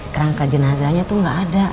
kerangka jenazahnya itu nggak ada